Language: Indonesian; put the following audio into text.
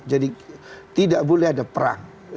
jadi tidak boleh ada perang